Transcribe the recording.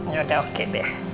yaudah oke deh